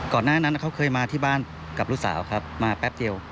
หน้านั้นเขาเคยมาที่บ้านกับลูกสาวครับมาแป๊บเดียว